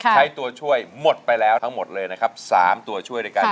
ตัวช่วยหมดไปแล้วทั้งหมดเลยนะครับ๓ตัวช่วยด้วยกัน